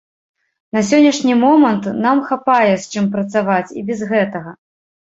На сённяшні момант нам хапае, з чым працаваць і без гэтага.